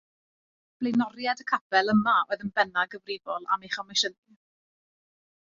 Blaenoriaid y capel yma oedd yn bennaf gyfrifol am ei chomisiynu.